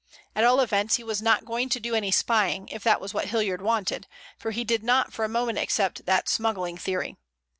At all events he was not going to do any spying, if that was what Hilliard wanted, for he did not for a moment accept that smuggling theory.